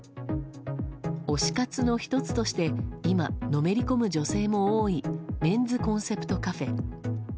推し活の１つとして今、のめり込む女性も多いメンズコンセプトカフェ。